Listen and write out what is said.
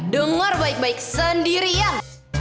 dengar baik baik sendirian